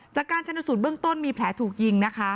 จากการชนสูตรเบื้องต้นมีแผลถูกยิงนะคะ